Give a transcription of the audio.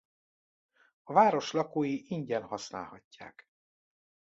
A város lakói ingyen használhatják.